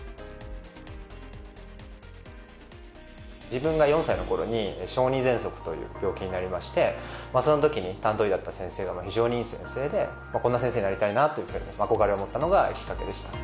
自分が４歳の頃に小児ぜんそくという病気になりましてその時に担当医だった先生が非常にいい先生でこんな先生になりたいなというふうに憧れを持ったのがきっかけでした。